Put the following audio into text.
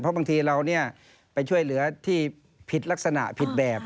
เพราะบางทีเราไปช่วยเหลือที่ผิดลักษณะผิดแบบ